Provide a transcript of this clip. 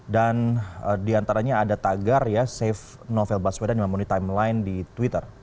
dan di antaranya ada tagar ya save novel baswedan yang memenuhi timeline di twitter